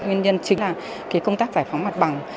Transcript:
nguyên nhân chính là công tác giải phóng mặt bằng